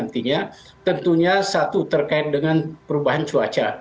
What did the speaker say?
tentunya satu terkait dengan perubahan cuaca